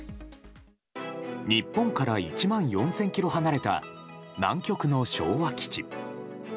日本から１万４０００ｋｍ離れた南極の昭和基地。